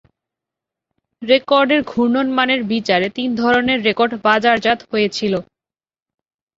রেকর্ডের ঘূর্ণন মানের বিচারে তিন ধরনের রেকর্ড বাজারজাত হয়েছিল।